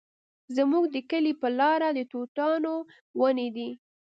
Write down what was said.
زموږ د کلي په لاره د توتانو ونې دي